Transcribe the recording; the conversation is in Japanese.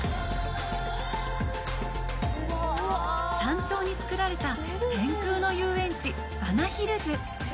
山頂に作られた天空の遊園地、バナヒルズ。